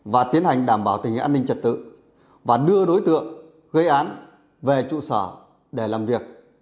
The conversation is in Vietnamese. và tiến hành đảm bảo tình hình an ninh trật tự và đưa đối tượng gây án về trụ sở để làm việc